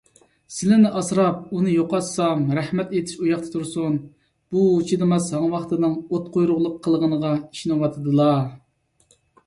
سىلىنى ئاسراپ، ئۇنى يوقاتسام، رەھمەت ئېيتىش ئۇياقتا تۇرسۇن، بۇ چىدىماس ھاڭۋاقتىنىڭ ئوتقۇيرۇقلۇق قىلغىنىغا ئىشىنىۋاتىدىلا.